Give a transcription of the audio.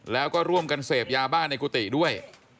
แล้วก็ร่วมกันเสพยาบ้าในกุฏิด้วย